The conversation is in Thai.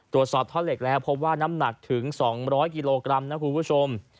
ตรวจสอบท่อเหล็กแล้วพบว่าน้ำหนักถึง๒๐๐กิโลกรัมนะคุณผู้ชม